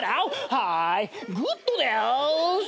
はーいグッドです。